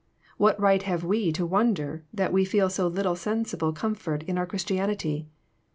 What right have we to wonder that we feel so little sensible comfort in our Christianity?